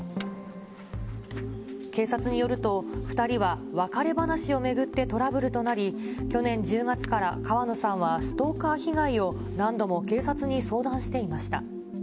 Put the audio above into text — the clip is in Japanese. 警察によると、２人は別れ話を巡ってトラブルとなり、去年１０月から川野さんはストーカー被害を何度も警察に相談していました。